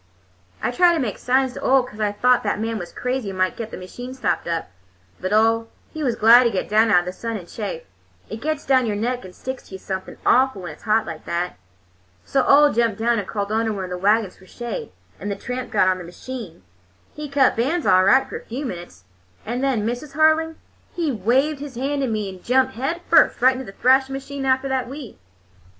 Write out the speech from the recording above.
"I tried to make signs to Ole, 'cause I thought that man was crazy and might get the machine stopped up. But Ole, he was glad to get down out of the sun and chaff—it gets down your neck and sticks to you something awful when it's hot like that. So Ole jumped down and crawled under one of the wagons for shade, and the tramp got on the machine. He cut bands all right for a few minutes, and then, Mrs. Harling, he waved his hand to me and jumped head first right into the thrashing machine after the wheat.